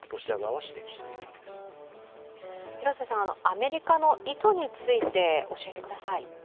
アメリカの意図について教えてください。